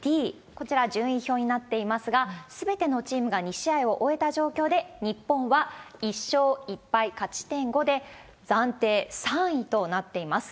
こちら、順位表になっていますが、すべてのチームが２試合を終えた状況で日本は１勝１敗、勝ち点５で、暫定３位となっています。